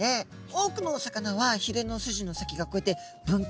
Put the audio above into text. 多くのお魚はひれの筋の先がこうやって分岐してます。